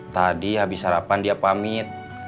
tadi habis sarapan dia pamit